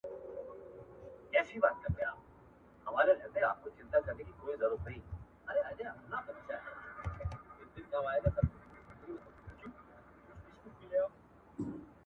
دوهم دا چي څوک آفت وي د دوستانو !.